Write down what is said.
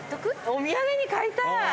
お土産に買いたい。